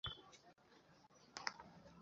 আমরা বুঝতে পারছি না কী করব।